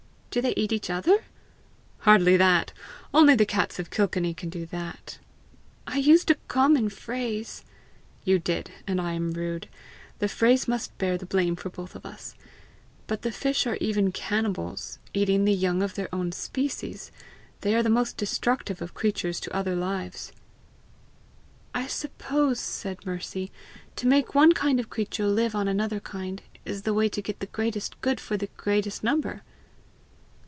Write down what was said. "Do they eat each other?" "Hardly that. Only the cats of Kilkenny can do that." "I used a common phrase!" "You did, and I am rude: the phrase must bear the blame for both of us. But the fish are even cannibals eating the young of their own species! They are the most destructive of creatures to other lives." "I suppose," said Mercy, "to make one kind of creature live on another kind, is the way to get the greatest good for the greatest number!"